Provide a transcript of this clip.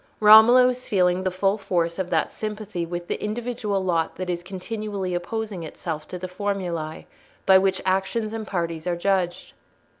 Romola was feeling the full force of that sympathy with the individual lot that is continually opposing itself to the formulae by which actions and parties are judged.